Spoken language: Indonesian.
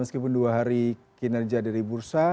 meskipun dua hari kinerja dari bursa